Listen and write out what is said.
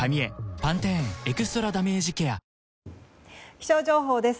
気象情報です。